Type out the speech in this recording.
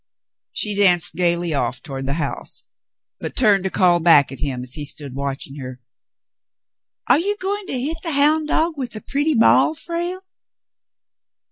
She danced gayly off toward the house, but turned to call back at him, as he stood watching her. "Are you going to hit the ' houn' ' dog with the pretty ball, Frale